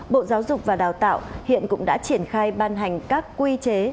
bộ giáo dục và đào tạo hiện cũng đã triển khai ban hành các quy chế